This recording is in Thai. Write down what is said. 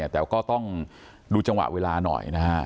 แต่ก็ต้องดูจังหวะเวลาหน่อยนะฮะ